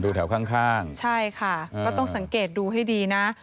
ดูแถวข้างใช่ค่ะก็ต้องสังเกตดูให้ดีนะ